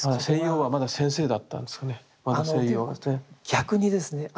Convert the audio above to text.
逆にですね